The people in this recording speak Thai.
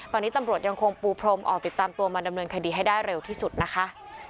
ตอนนี้ตำรวจยังคงปูพรมออกติดตามตัวมาดำเนินคดีให้ได้เร็วที่สุดนะคะ